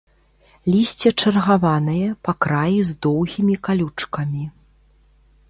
Лісце чаргаванае, па краі з доўгімі калючкамі.